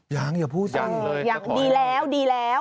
ยังอย่าพูดอย่างนั้นเลยอยากขอให้มีดีแล้ว